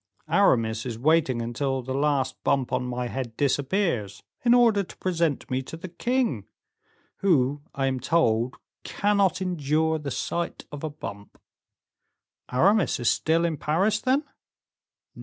Aramis is waiting until the last bump on my head disappears, in order to present me to the king, who I am told cannot endure the sight of a bump." "Aramis is still in Paris, then?"